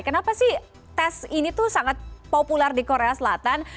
kenapa sih tes ini tuh sangat populer di korea selatan